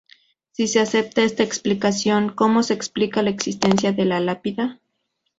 Si se acepta esta explicación, ¿cómo se explica la existencia de la lápida?